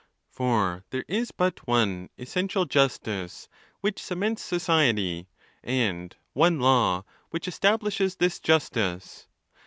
For there is but one essential justice which cements society, and one law which establishes this justice.